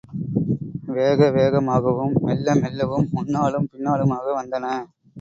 வேக வேகமாகவும், மெல்ல மெல்லவும், முன்னாலும் பின்னாலுமாகவும் வந்தன.